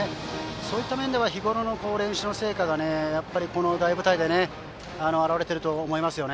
そういった面では日ごろの練習の成果がこの大舞台で表れていると思います。